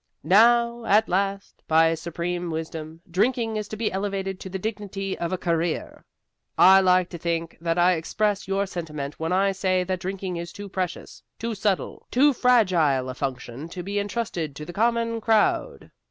Now, at last, by supreme wisdom, drinking is to be elevated to the dignity of a career. I like to think that I express your sentiment when I say that drinking is too precious, too subtle, too fragile a function to be entrusted to the common crowd.